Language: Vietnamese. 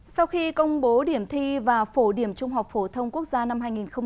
sau khi công bố điểm thi và phổ điểm trung học phổ thông quốc gia năm hai nghìn một mươi tám